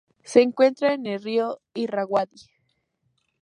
Se encuentra en el río Irrawaddy.